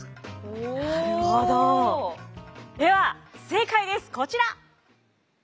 では正解ですこちら！